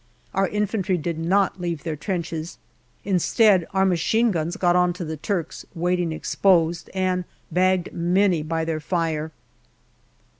Our infantry did not leave their trenches. Instead, our machine guns got on to the Turks, waiting exposed, and bagged many by their fire.